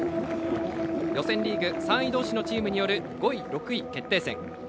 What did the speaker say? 予選リーグ３位どうしのチームどうしによる５位、６位決定戦。